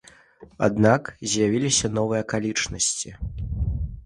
Аднак з'явіліся новыя акалічнасці.